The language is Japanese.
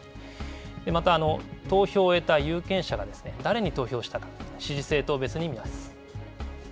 また、投票を終えた有権者が誰に投票したか、支持政党別に見ます。